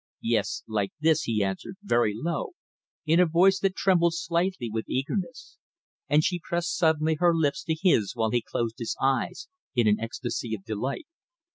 "Yes, like this!" he answered very low, in a voice that trembled slightly with eagerness; and she pressed suddenly her lips to his while he closed his eyes in an ecstasy of delight.